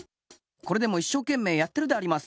これでもいっしょうけんめいやってるであります。